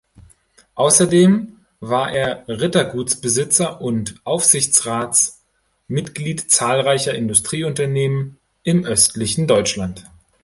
Außerdem war er Rittergutsbesitzer und Aufsichtsratsmitglied zahlreicher Industrieunternehmen im östlichen Deutschland.